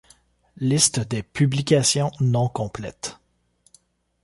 Liste des publications non complète.